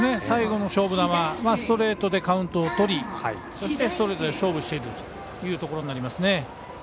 最後の勝負球ストレートでカウントをとりそしてストレートで勝負しているということですね。